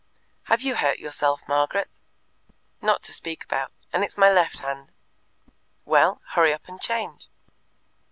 "Have you hurt yourself, Margaret?" "Not to speak about; and it's my left hand." "Well, hurry up and change."